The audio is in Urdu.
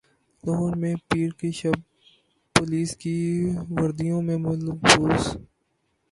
لاہور میں پیر کی شب پولیس کی وردیوں میں ملبوس